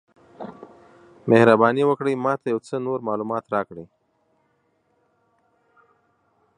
مهرباني وکړئ ما ته یو څه نور معلومات راکړئ؟